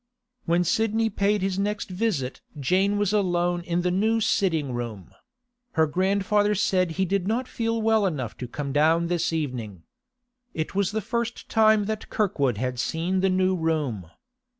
When Sidney paid his next visit Jane was alone in the new sitting room; her grandfather said he did not feel well enough to come down this evening. It was the first time that Kirkwood had seen the new room.